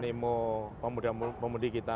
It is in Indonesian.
animo pemudi kita